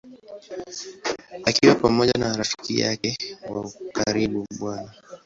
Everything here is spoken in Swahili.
Akiwa pamoja na rafiki yake wa karibu Bw.